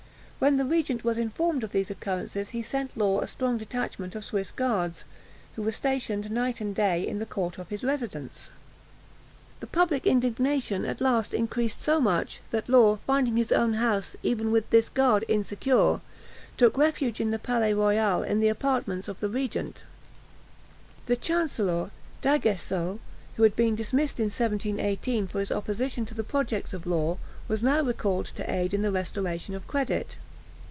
When the regent was informed of these occurrences he sent Law a strong detachment of Swiss guards, who were stationed night and day in the court of his residence. The public indignation at last increased so much, that Law, finding his own house, even with this guard, insecure, took refuge in the Palais Royal, in the apartments of the regent. Duclos, Memoires Secrets de la Régence. The Chancellor, D'Aguesseau, who had been dismissed in 1718 for his opposition to the projects of Law, was now recalled to aid in the restoration of credit.